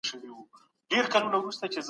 څه شی صادرات له لوی ګواښ سره مخ کوي؟